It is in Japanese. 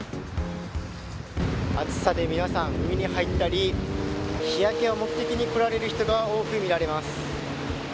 暑さで皆さん海に入ったり日焼けを目的に来られる人が多く見られます。